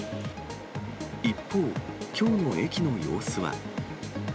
一方、きょうの駅の様子は。